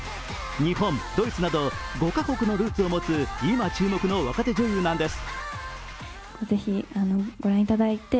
日本、ドイツなど５カ国のルーツを持つ今注目の若手女優なんです。